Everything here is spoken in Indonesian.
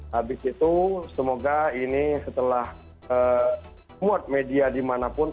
habis itu semoga ini setelah muat media dimanapun